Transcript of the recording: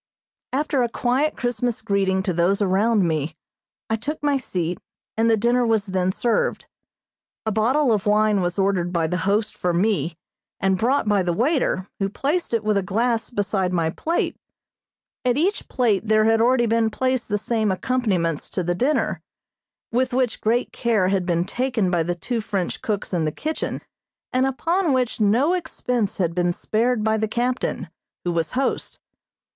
After a quiet Christmas greeting to those around me, I took my seat, and the dinner was then served. A bottle of wine was ordered by the host for me, and brought by the waiter, who placed it with a glass beside my plate. At each plate there had already been placed the same accompaniments to the dinner, with which great care had been taken by the two French cooks in the kitchen, and upon which no expense had been spared by the captain, who was host.